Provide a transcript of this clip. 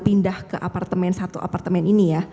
pindah ke apartemen satu apartemen ini ya